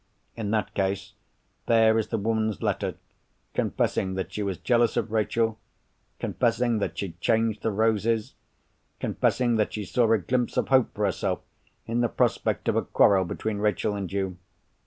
In that case, there is the woman's letter, confessing that she was jealous of Rachel, confessing that she changed the roses, confessing that she saw a glimpse of hope for herself, in the prospect of a quarrel between Rachel and you.